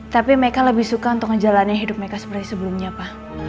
tapi meka lebih suka untuk ngejalani hidup meka seperti sebelumnya pa